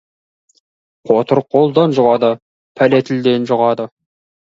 Қотыр қолдан жұғады, пәле тілден жұғады.